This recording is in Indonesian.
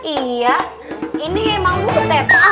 iya ini emang butet